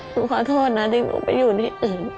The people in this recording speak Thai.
หนูขอโทษนะที่หนูไปอยู่ที่อื่น